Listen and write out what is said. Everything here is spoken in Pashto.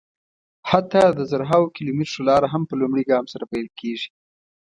حتی د زرهاوو کیلومترو لاره هم په لومړي ګام سره پیل کېږي.